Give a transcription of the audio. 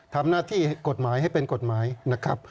ทำหน้าที่กฎหมายให้เป็นกฎหมายนะครับ